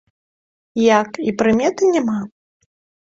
Як, і прыметы няма?